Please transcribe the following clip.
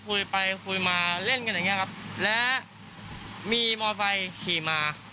คุยไปคุยมาเล่นกันอย่างเงี้ครับและมีมอไซค์ขี่มา